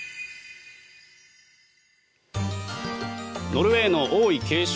ノルウェーの王位継承